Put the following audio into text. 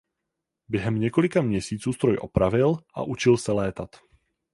Během několika měsíců stroj opravil a učil se létat.